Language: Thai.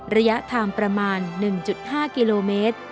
ระยะทางประมาณ๑๕กิโลเมตร